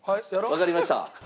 わかりました。